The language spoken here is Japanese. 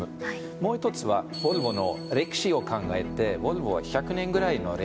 もう一つはボルボの歴史を考えてボルボは１００年ぐらいの歴史あります。